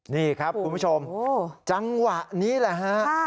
นี่ครับคุณผู้ชมจังหวะนี้แหละฮะ